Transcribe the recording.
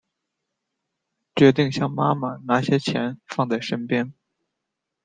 决定向妈妈拿些钱放在身边